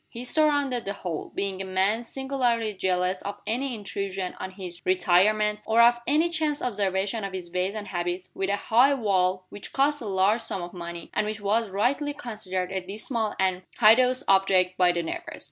He surrounded the whole being a man singularly jealous of any intrusion on his retirement, or of any chance observation of his ways and habits with a high wall, which cost a large sum of money, and which was rightly considered a dismal and hideous object by the neighbors.